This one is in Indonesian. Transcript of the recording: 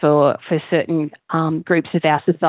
untuk beberapa grup dari masyarakat